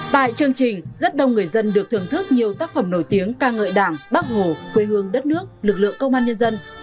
tại chương trình rất đông người dân được thưởng thức nhiều tác phẩm nổi tiếng ca ngợi đảng bác hồ quê hương đất nước lực lượng công an nhân dân